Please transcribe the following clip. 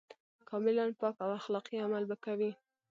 کاملاً پاک او اخلاقي عمل به کوي.